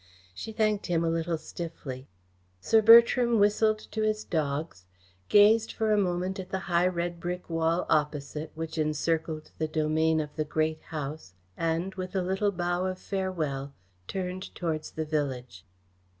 She thanked him a little stiffly. Sir Bertram whistled to his dogs, gazed for a moment at the high red brick wall opposite, which encircled the domain of the Great House, and, with a little bow of farewell, turned towards the village.